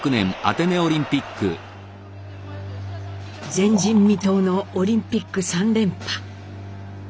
前人未到のオリンピック３連覇。